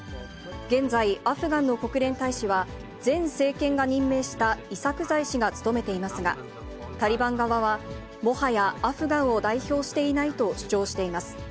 現在、アフガンの国連大使は、前政権が任命したイサクザイ氏が務めていますが、タリバン側は、もはやアフガンを代表していないと主張しています。